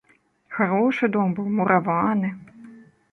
Харошы дом быў, мураваны.